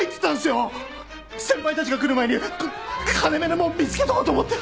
先輩たちが来る前に金目のもん見つけとこうと思って。